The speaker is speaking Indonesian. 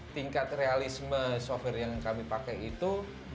tingkat realisme software yang kami pakai itu